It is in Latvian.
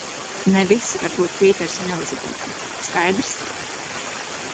Ne visi var būt Pīters un Elizabete, skaidrs?